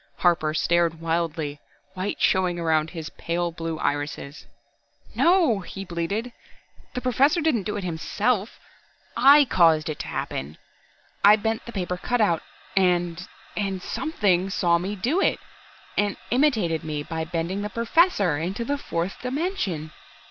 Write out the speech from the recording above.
Harper stared wildly, white showing around his pale blue irises. "No!" he bleated. "The Professor didn't do it himself I caused it to happen. I bent the paper cutout, and and Something saw me do it, and imitated me by bending the Professor into the fourth dimension!"